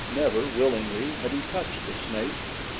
Never, willingly, had he touched a snake.